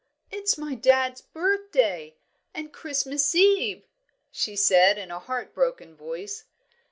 "It's my dad's birthday, and Christmas Eve," she said, in a heart broken voice.